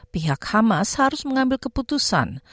pihak hamas harus mengambil keputusan